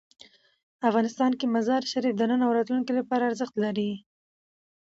افغانستان کې مزارشریف د نن او راتلونکي لپاره ارزښت لري.